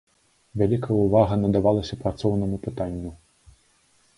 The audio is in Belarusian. Вялікая ўвага надавалася працоўнаму пытанню.